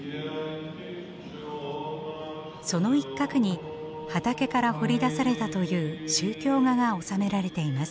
その一角に畑から掘り出されたという宗教画が納められています。